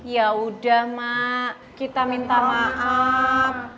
yaudah mak kita minta maaf